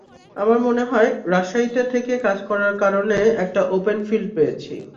আমার মনে হয়, রাজশাহীতে থেকে কাজ করার কারণে একটা ওপেন ফিল্ড পেয়েছি।